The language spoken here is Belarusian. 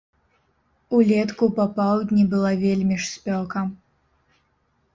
Улетку папаўдні была вельмі ж спёка.